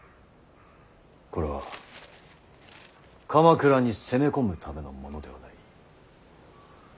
これは鎌倉に攻め込むためのものではない。